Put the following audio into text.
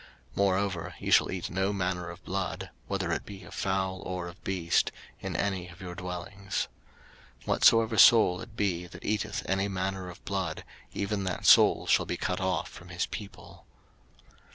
03:007:026 Moreover ye shall eat no manner of blood, whether it be of fowl or of beast, in any of your dwellings. 03:007:027 Whatsoever soul it be that eateth any manner of blood, even that soul shall be cut off from his people.